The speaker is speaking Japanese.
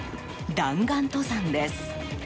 弾丸登山です。